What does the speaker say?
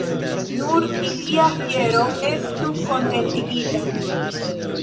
Nur ilia fiero estu kontentigita.